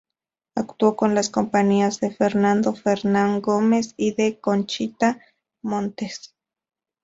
Actuó con las compañías de Fernando Fernán Gómez y de Conchita Montes.